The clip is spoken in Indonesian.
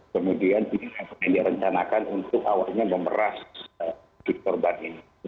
kemudian ini direncanakan untuk awalnya memeras si korban ini